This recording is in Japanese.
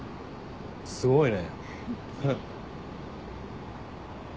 すごいね。